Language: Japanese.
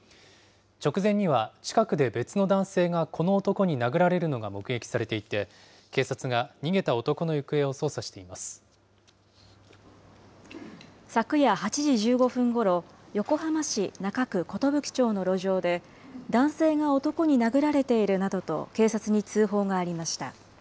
直前には近くで別の男性がこの男に殴られるのが目撃されていて、警察が逃げた男の行方を捜査して昨夜８時１５分ごろ、横浜市中区寿町の路上で、男性が男に殴られているなどと警察に通報がありました。